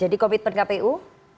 jadi komitmen kpu